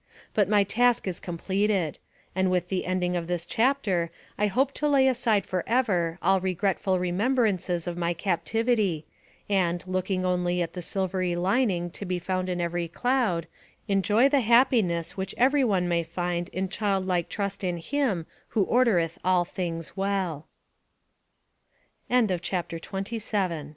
But my task is completed ; and with the ending of this chapter, I hope to lay aside forever all regretful remembrances of my captivity, and, looking only at the silvery lining to be found in every cloud, enjoy the happiness which every one may find in child like trust in Him who ordereth all things